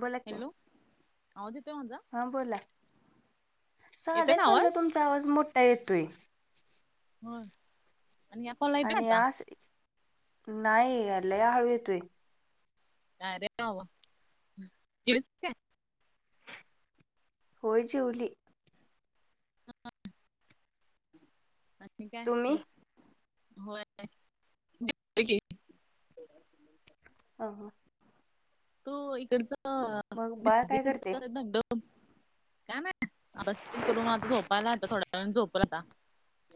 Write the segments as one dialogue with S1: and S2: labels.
S1: बोला की
S2: हॅलो आवाज येतोय माझा
S1: हा बोला.
S2: येतोय
S1: साध्या
S2: ना आवाज
S1: काँलला तुमचा आवाज मोठा येतोय.
S2: हो आणि या खला येत
S1: आणि
S2: आता [unintelligible]
S1: आज नाही लय हळू येतोय.
S2: अरे [unintelligible]
S1: होय जेवली.
S2: [unintelligible] म काय
S1: तुम्ही
S2: होय [unintelligible] की
S1: ह [inaudible] [unintelligible]
S2: तो इकडचं
S1: मग बाळ काय करते
S2: [unintelligible] काय नाही [unintelligible] करून आता [unintelligible] झोपायलाय आता थोड्या वेळाने झोपल आता.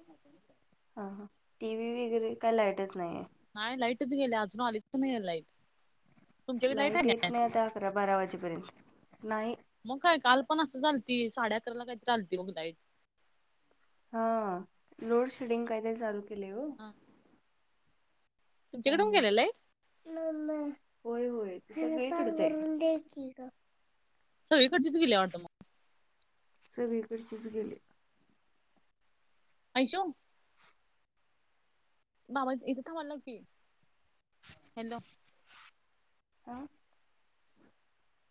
S2: [inaudible]
S1: हा हा. टीव्ही वगैरे काय लाईटच नाहीये?
S2: नाही लाईटच गेल्या आजून आलीच पण नाही लाईट. तुमच्याकडे
S1: लाईट
S2: आहे काय
S1: येत नाही आता अकरा बारा वाजेपर्यंत नाही.
S2: मग काय काल पण असंच आलती. साडे अकराला काहीतरी आलती बघ लाईट.
S1: हा लोड शेडिंग कायतरी चालू केलंय ओ.
S2: [inaudible] तुमच्याकडे पण गेल्या लाईट
S1: त्यामुळे होय होय. [unintelligible] ते सगळीकडेच आहे.
S2: सगळीकडचिच गेली वाटत
S1: सगळीकडचीच गेली.
S2: आयशू बाबा इथं थांबायला लाव की, हॅलो.
S1: हा.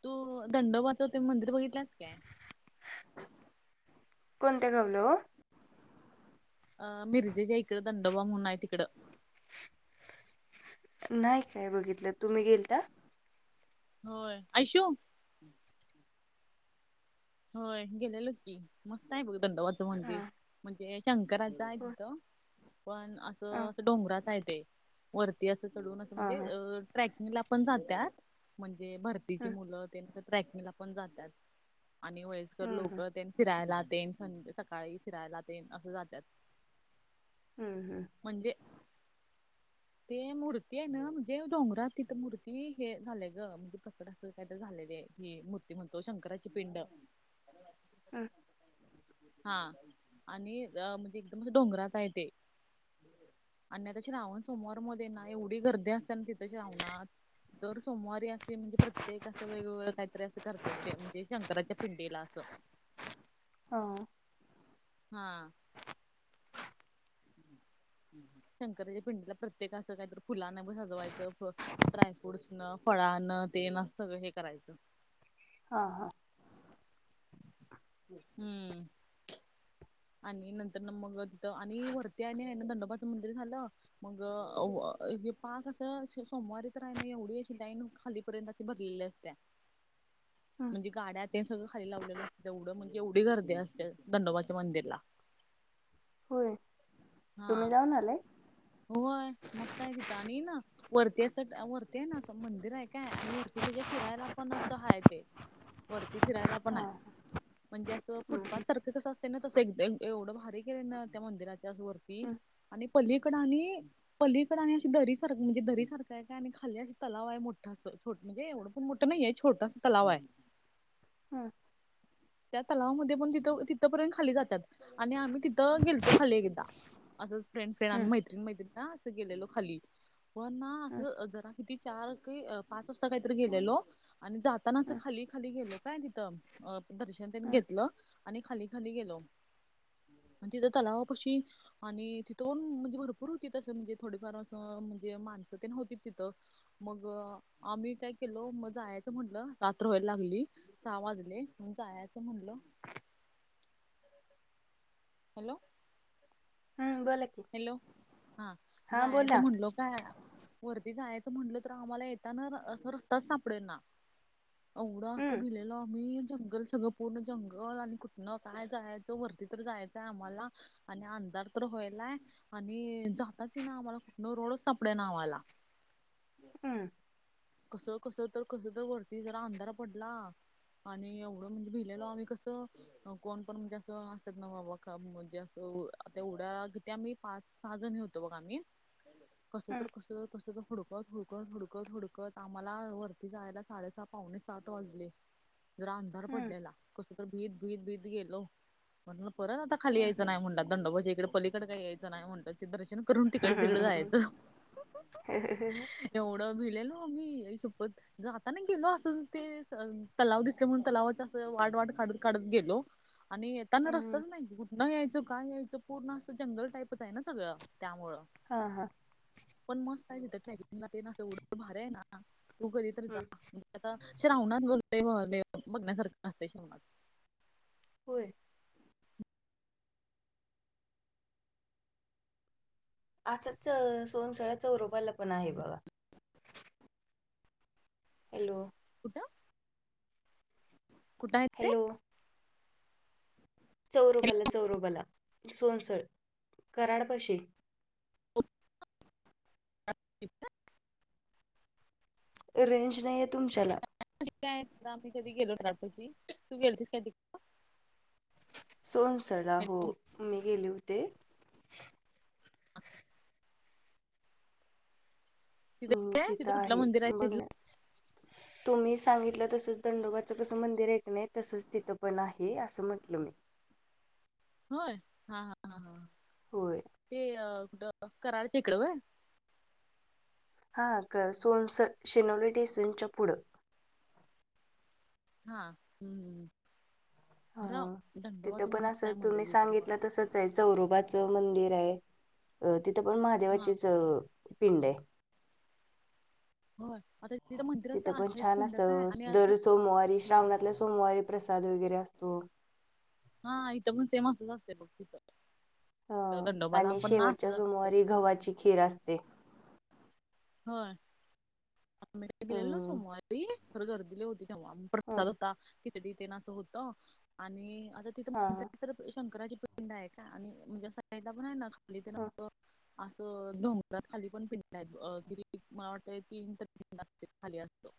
S2: तू दंडबोच ते मंदिर बघितल्यास काय?
S1: कोणत्या गावालं ओ?
S2: अ मिरजेच्या इकडं दंडोबा म्हणून आहे तिकडं.
S1: नाही काय बघितलं. तुम्ही गेलता?
S2: होय. आयशू होय गेलेलो की, मस्त आहे बघ दंडोबाचं मंदिर.
S1: हा
S2: म्हणजे शंकराचा आहे
S1: हो
S2: तिथं, पण असं असं डोंगराच आहे ते. वरती असं चढवून असं
S1: हा
S2: म्हणजे
S1: हा
S2: अ ट्रॅकिंगला पण जात्यात. म्हणजे भरतीची
S1: हम्म
S2: मुलं तेन असं ट्रॅकिंगला पण जात्यात. आणि वयस्कर
S1: हम्म
S2: लोक तेन फिरायला तेन सकाळी फिरायला तेन असं जात्यात.
S1: हम्म हम्म.
S2: म्हणजे? ते मूर्ती आहे ना म्हणजे डोंगरात तिथं मूर्ती हे झालंय ग म्हणजे प्रकट असं काय तर झालेले की मूर्ती म्हणतो शंकराची पिंड.
S1: आ
S2: हा आणि म्हणजे एकदम असं डोंगरात आहे ते. आणि आता श्रावण सोमवारमध्ये ना एवढी गर्दी असत्या ना तिथे श्रावणात. दर सोमवारी असे म्हणजे प्रत्येक असं वेगवेगळं काहीतरी असं करत्यात म्हणजे शंकराच्या पिंडीला असं.
S1: हा.
S2: हा. शंकराच्या पिंडीला प्रत्येक असं काहीतर फुलाने सजवायचं. ड्रायफ्रूट्सन, फळानं तेन असं सगळं हे करायचं
S1: हा हा.
S2: हम्म. आणि नंतर ना मग तिथं आणि वरती आणि आहे ना दडोबाचं मंदिर झालं. मग हे पाक असं सोमवारी तर आहे ना एवढी अशी लाईन खाली पर्यत अशी भरलेली असत्या.
S1: हम्म
S2: म्हणजे गाड्या तेन सगळं खाली लावलेलं असतं. एवढं म्हणजे एवढी गर्दी असते दंडोबाच्या मंदिरला.
S1: होय. तुम्ही
S2: हा
S1: जाऊन आलाय
S2: होय. मस्त आहे तिथं आणि ना वरती असं वरती आहे ना असं मंदिर आहे काय आणि वरती त्याच्या फिरायला पण असं हाय ते. वरती फिरायला पण
S1: हा
S2: आहे, म्हणजे असं फुटपाथ
S1: हम्म
S2: सारखं कसं अस त्यांना तसं एक एवढं भारी केले ना त्या मंदिराच्या वरती
S1: हम्म
S2: आणि पलीकड आणि पलीकडं आणि अशी दरी सारखं म्हणजे दरी सारखं आहे. त्याच्या आणि खाली असं तलाव आहे मोठा असं म्हणजे एवढं पण मोठं नाहीे छोटासा तलाव आहे.
S1: हा.
S2: त्या तलावामध्ये पण तिथं तिथंपर्यंत खाली जात्यात. आणि आम्ही तिथं गेलतो खाली एकदा. असंच फ्रेंड फ्रेंड आम्ही
S1: हम्म
S2: मै मैत्रीन ना असं गेलेलो खाली. पण ना
S1: हम्म
S2: असं, जरा किती चार काही पाच वाजता काहीतरी गेलेलो. आणि जाताना असं
S1: हम्म
S2: खाली खाली गेलो काय तिथं. अ दर्शन तेन
S1: हम्म
S2: घेतलं. आणि खाली खाली गेलो. आणि तिथं तलावापशी आणि तिथून म्हणजे भरपूर होती तसं म्हणजे थोडीफार असं म्हणजे माणसं तेन होतीत तिथं. मग आम्ही काय केलो, मग जायचं म्हटलं रात्र व्हायला लागली. सहा वाजले, जायचं म्हणलं. हॅलो.
S1: हम् बोला
S2: हॅलो हा
S1: हा बोला
S2: जायचं म्हणलो. काय वरती जायचं म्हंटलं तर, आम्हाला येताना असं रस्ताच सापडेल ना. येवढ
S1: हम्म
S2: असं भिलेलो आम्ही, जंगल सगळं. पूर्ण जंगल आणि कुठणं काय जायचं वरती तर जायचंय आम्हाला. आणि अंधार तर व्हायलाय आणि जाताच ईना आम्हाला कुठंन रोडच सापडेना आम्हाला.
S1: हम्.
S2: कसं कसं तर कसं तर वरती जरा अंधार पडला. आणि एवढं म्हणजे भिलेलो. आम्ही कसं कोण पण म्हणजे असं असतेत ना बाबा म्हणजे असं त्या एवढ्या त्या मी पाच सहा जणी होतो, बघ आम्ही. कसं तर,
S1: हम्म
S2: कसं तर, कसं तर हुडकत हुडकत हुडकत हुडकत. आम्हाला वरती जायला, साडेसहा पावणे सात वाजले जरा अंधार
S1: हम्म
S2: पडलेला. कसं तर भीत भीत भीत गेलो. म्हणलं परत आता खाली यायचं
S1: हम्म
S2: नाही म्हणलं दंडोबाच्या इकडं पली तिकड काही यायचं नाही म्हणतात, की दर्शन करून तिकडच तिकड
S1: हम्म
S2: जायचं. एवढं भिलेलो आम्ही आई शप्पथ. जाताना गेलो असंच ते तलाव दिसले म्हणून तलावाचा अस वाट वाट काढत काढत गेलो. आणि येत. येताना
S1: हम्म
S2: रस्ताच नाही कुठनं यायचं, काय यायचं पूर्ण असं जंगल टाईपच आहे ना सगळं त्यामुळं.
S1: हां हां.
S2: पण मस्त आहे तिथं ट्रॅकिंगला तेन एवढ भारी आहे ना तू कधी तरी जा.
S1: हम्म
S2: आता श्रावणात [unintelligible] बघण्यासारखे असतंय श्रवणात.
S1: होय. असंच सोनसळ्या चौरोबाला पण आहे बघा. हॅलो.
S2: कुठं? कुठे आहेेत ते.
S1: हॅलो चौरोपाला चौरोबाला, सवनसळ कराडपाशी.
S2: [inaudible]
S1: रेंज नाही, आहे तुमच्याला.
S2: काय आम्ही कधी गेलो [unintelligible] तू गेलतीस काय तिकडं?
S1: सोनसरला हो
S2: तिकडे
S1: मी गेले होते. हम्म
S2: तिथे
S1: तिथं
S2: तिथे कुठलं, मंदिर आहे तिथलं.
S1: बघण्या तुम्ही सांगितलं तसंच दंडोबाचं कसं, मंदिर ऐक नाही तसच तिथं पण आहे असं म्हटलं मी.
S2: होय, हा हा हा हा.
S1: होय
S2: ते कुठं कराड च्या इकडं व्हयं.
S1: हा हा. सोनस शेनोली डेसनच्या पुढं.
S2: हा हम्म् खर
S1: हां
S2: दंड
S1: तिथं
S2: वाच म
S1: पण
S2: मस्त
S1: असं
S2: आहे
S1: तुम्ही
S2: मंदिर तिथं
S1: सांगितलं
S2: मग.
S1: तसंच चौरोबाचं मंदिर आहे. तिथं पण
S2: हा
S1: महादेवाचीच पिंड ये.
S2: हो आता तिथ मंदिरात
S1: तिथं पण
S2: आहेच
S1: छान
S2: पिंड काय
S1: असं
S2: आणि असं.
S1: दर सोमवारी श्रावणातल्या सोमवारी प्रसाद वगैरे असतो.
S2: हा इथं पण सेम, असंच असते बघ तिथं.
S1: अं..
S2: दंडोबाला
S1: आणि
S2: पण असंच
S1: शेवटच्या
S2: असते
S1: सोमवारी गव्हाची खीर असते.
S2: होय, आम्ही बी गेलेलो
S1: हम्म,
S2: सोमवारी खरं गर्दी लै होती. तेव्हा
S1: हं,
S2: प्रसाद होता. खिचडी तेन असं होत आणि आता तिथं
S1: हां
S2: म्हण
S1: हां
S2: तर शंकराची पिंड आहे का, आणि म्हणजे अस साइडला आहे ना खाली तेन असं. असं डोंगरात खाली पण पिंड हायत बघ गं. [unintelligible] खाली असं.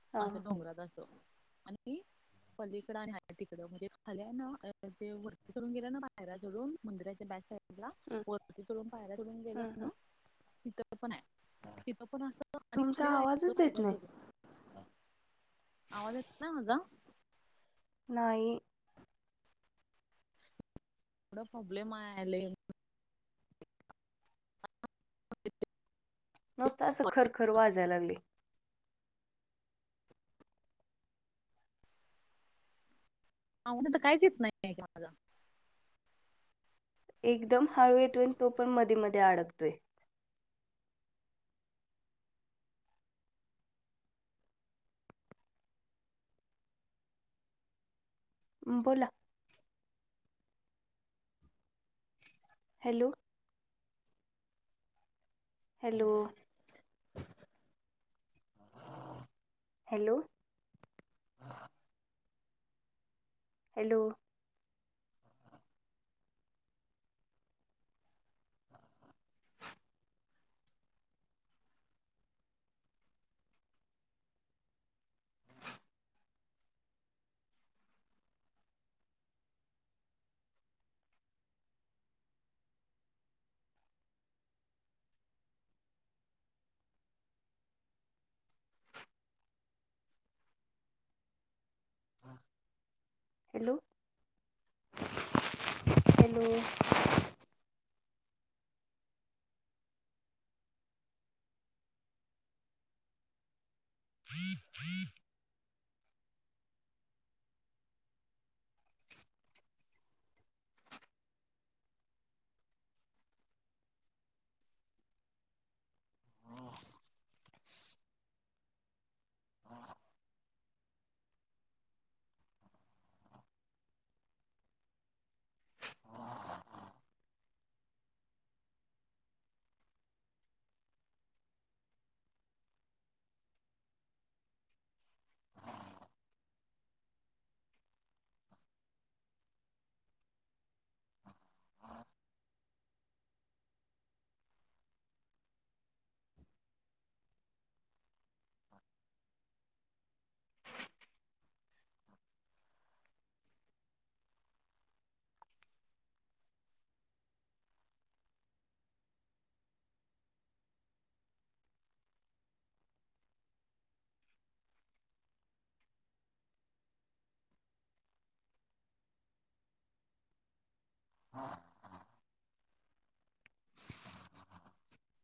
S1: हां
S2: असं
S1: हां
S2: डोंगरात असं आणि, पलीकडं आणि ह तिकडं म्हणजे खाल्या ना ते वरती करून गेल्या ना बाहेर जडून मंदिराच्या बॅट साईड.
S1: हं,
S2: वती तडून पाहायला तडून
S1: हं,
S2: गेलं
S1: हं.
S2: ना. तिथं पण आहे तिथं पण असं
S1: तुमचा
S2: खाली जायचं
S1: आवाजच येत
S2: फय्या
S1: नाही.
S2: तो. आवाज येत नाही माझा.
S1: नाही.
S2: एवढा प्रॉब्लेमले.
S1: नुसतं असं खरखर वाजयला लागले.
S2: आवाज काहीच नाही का माझा.
S1: एकदम हळू येतोय आणि तो पण मध्ये मध्ये अडकतोय. हम्म बोला. Hello! Hello hello! Hello! Hello! Hello! [inaudible] [inaudible] हा हा. [inaudible]